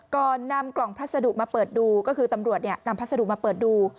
ก่อนนำกล่องพัสดุมาเปิดดูก็คือตำรวจนำพัสดุมาเปิดดู